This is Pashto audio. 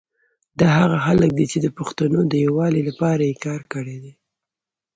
دا هغه خلګ دي چي د پښتونو د یوالي لپاره یي کار کړي دی